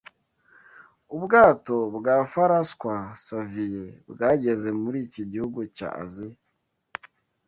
ubwato bwa Faraswa saviye bwageze muri iki gihugu cya Aziya